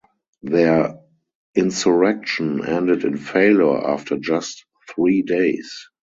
Their insurrection ended in failure after just three days.